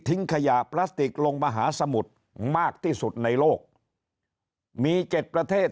ทิ้งขยะปลาสติกลงมาหาสมุทรมากที่สุดในโลกมี๗ประเทศ